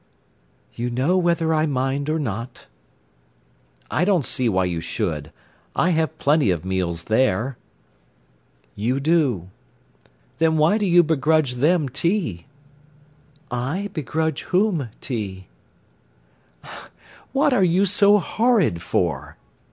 "You know whether I mind or not." "I don't see why you should. I have plenty of meals there." "You do." "Then why do you begrudge them tea?" "I begrudge whom tea?" "What are you so horrid for?"